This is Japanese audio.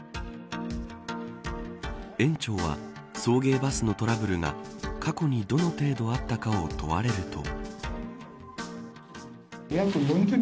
園長は送迎バスのトラブルが過去にどの程度あったかを問われると。